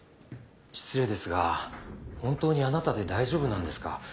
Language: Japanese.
失礼ですが本当にあなたで大丈夫なんですか？